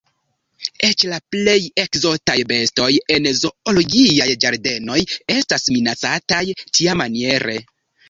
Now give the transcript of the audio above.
Eĉ la plej ekzotaj bestoj en zoologiaj ĝardenoj estas minacataj tiamaniere!